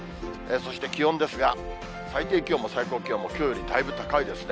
そして気温ですが、最低気温も最高気温もきょうよりだいぶ高いですね。